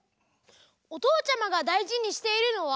おとうちゃまがだいじにしているのは？